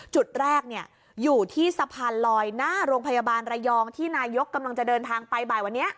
จุดแรกอยู่ที่สะพานลอยหน้าโรงพยาบาลระยองที่นายกกำลังจะเดินทางไปบ่ายวันนี้